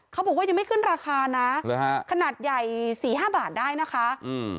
เขาบอกว่ายังไม่ขึ้นราคานะหรือฮะขนาดใหญ่สี่ห้าบาทได้นะคะอืม